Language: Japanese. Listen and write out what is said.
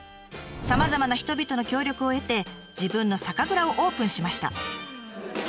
さまざまな人々の協力を得て自分の酒蔵をオープンしました。